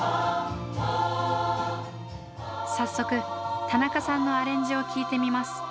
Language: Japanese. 早速田中さんのアレンジを聴いてみます。